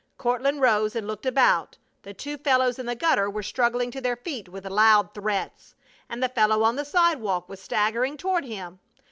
Courtland rose and looked about. The two fellows in the gutter were struggling to their feet with loud threats, and the fellow on the sidewalk was staggering toward him.